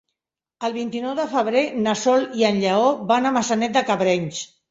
El vint-i-nou de febrer na Sol i en Lleó van a Maçanet de Cabrenys.